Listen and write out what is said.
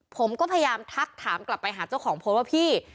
ผมก็พยายามทักถามกลับไปหาเจ้าของโพสต์ว่าพี่